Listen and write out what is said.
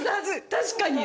確かに。